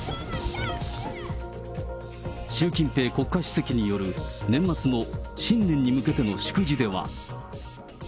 習近平国家主席による年末の新年に向けての祝辞では。